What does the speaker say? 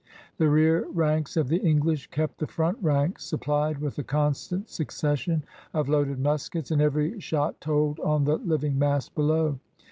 The rear ranks of the English kept the front ranks supplied with a constant succession of loaded muskets, and every shot told on the living mass below.